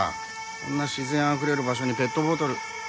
こんな自然あふれる場所にペットボトル。